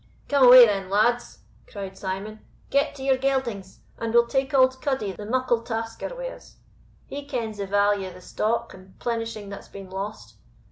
"Come away, then, lads," cried Simon, "get to your geldings, and we'll take auld Cuddie the muckle tasker wi' us; he kens the value o' the stock and plenishing that's been lost.